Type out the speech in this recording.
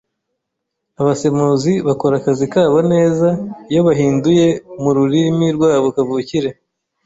Abasemuzi bakora akazi kabo neza iyo bahinduye mururimi rwabo kavukire.